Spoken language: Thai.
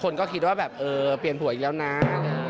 คนก็คิดว่าแบบเออเปลี่ยนผัวอีกแล้วนะ